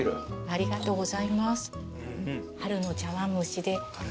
ありがとうございます。